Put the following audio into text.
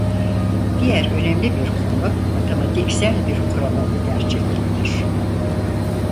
Diğer önemli bir konu matematiksel bir kuramın gerçekliğidir.